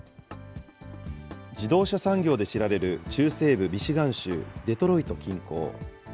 自動車産業で知られる中西部ミシガン州デトロイト近郊。